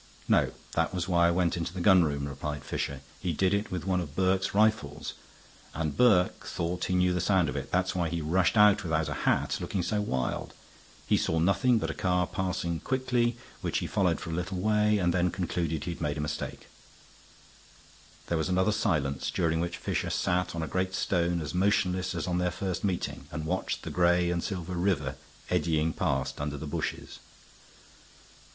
"No; that was why I went into the gun room," replied Fisher. "He did it with one of Burke's rifles, and Burke thought he knew the sound of it. That's why he rushed out without a hat, looking so wild. He saw nothing but a car passing quickly, which he followed for a little way, and then concluded he'd made a mistake." There was another silence, during which Fisher sat on a great stone as motionless as on their first meeting, and watched the gray and silver river eddying past under the bushes.